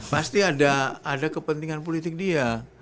pasti ada kepentingan politik dia